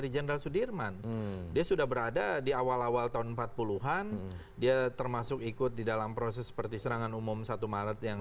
jadi dengan demikian